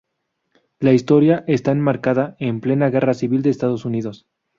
La historia está enmarcada en plena Guerra Civil de Estados Unidos.